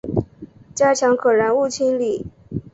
加强可燃物清理